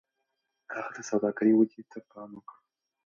هغه د سوداګرۍ ودې ته پام وکړ.